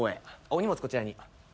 お荷物こちらに。